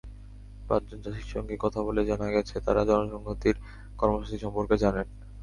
পাঁচজন চাষির সঙ্গে কথা বলে জানা গেছে, তাঁরা জনসংহতির কর্মসূচি সম্পর্কে জানেন।